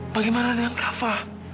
bagaimana dengan rafa